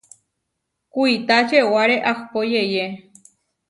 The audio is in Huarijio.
Kuitá čewaré ahpó yeʼyé.